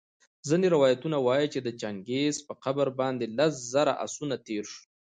ځیني روایتونه وايي چي د چنګیز په قبر باندي لس زره آسونه تېرسول